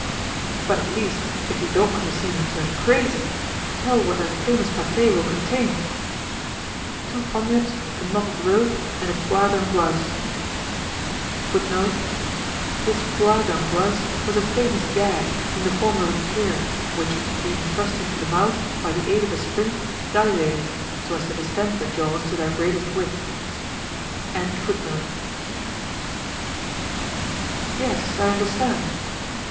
"But at least, if you don't want to see me turn crazy, tell what that famous pate will contain." "Two poniards, a knotted rope and a poire d'angoisse." This poire d'angoisse was a famous gag, in the form of a pear, which, being thrust into the mouth, by the aid of a spring, dilated, so as to distend the jaws to their greatest width. "Yes, I understand."